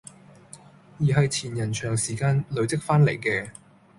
而係前人長時間累積返嚟嘅